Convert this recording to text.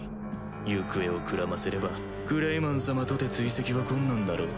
行方をくらませればクレイマン様とて追跡は困難だろう